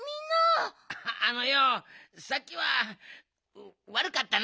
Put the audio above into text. あのようさっきはわるかったな。